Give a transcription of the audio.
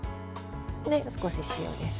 少し塩です。